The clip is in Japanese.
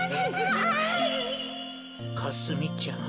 かすみちゃん。